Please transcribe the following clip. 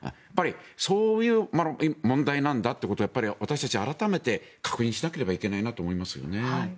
そういう問題なんだということを私たちは改めて確認しなければいけないなと思いますよね。